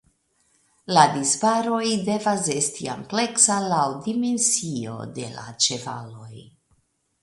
La disbaroj devas esti ampleksa laŭ dimensio de la ĉevaloj.